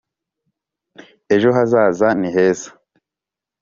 ejo hazaza ni heza.